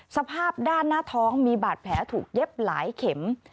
สภาพด้านหน้าท้องมีบาดแผลถูกเย็บหลายเข็ม